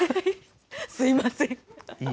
すみません。